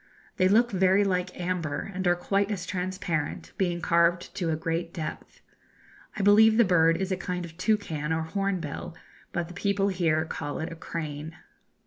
They look very like amber, and are quite as transparent, being carved to a great depth. I believe the bird is a kind of toucan or hornbill, but the people here call it a crane.